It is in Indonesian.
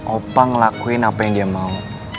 opa ngelakuin apa yang dia mau